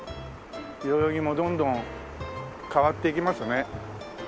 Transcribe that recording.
代々木もどんどん変わっていきますね。